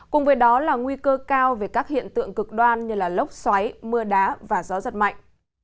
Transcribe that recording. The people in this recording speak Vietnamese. cùng với đó là nguy cơ cao về các hiện tượng cực đoan như lốc xoáy mưa đá và gió giật mạnh